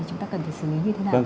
chúng ta cần phải xử lý như thế nào